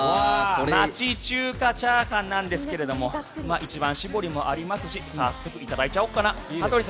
町中華チャーハンですけれど一番搾りもありますし早速いただいちゃおっかな。